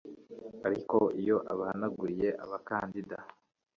ariko iyo abahagarariye abakandida